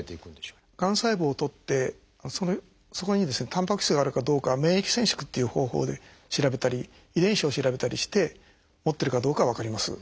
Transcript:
がん細胞を採ってそこにタンパク質があるかどうかは免疫染色っていう方法で調べたり遺伝子を調べたりして持ってるかどうかは分かります。